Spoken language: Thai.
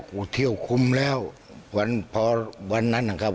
กูเที่ยวคุมแล้ววันพอวันนั้นนะครับ